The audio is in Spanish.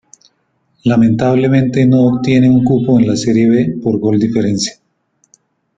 Lamentablemente no obtiene un cupo en la Serie B por gol diferencia.